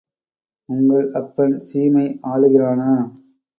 உங்கள் அப்பன் சீமை ஆளுகிறானா?